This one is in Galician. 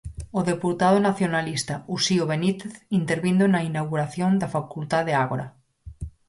O deputado nacionalista, Uxío Benítez, intervindo na inauguración da Facultade Ágora.